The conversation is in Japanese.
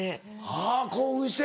あぁ興奮して。